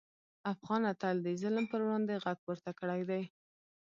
افغان تل د ظلم پر وړاندې غږ پورته کړی دی.